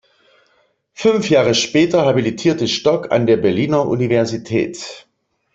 Fünf Jahre später habilitierte Stock an der Berliner Universität.